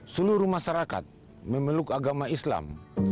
seluruh masyarakat memeluk agama islam